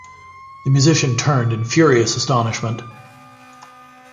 The musician turned in furious astonishment.